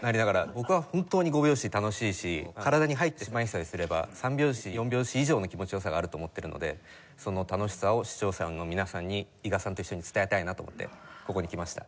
僕は本当に５拍子楽しいし体に入ってしまいさえすれば３拍子４拍子以上の気持ち良さがあると思っているのでその楽しさを視聴者の皆さんに伊賀さんと一緒に伝えたいなと思ってここに来ました。